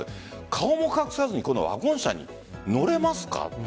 顔も隠さずにワゴン車に乗れますか？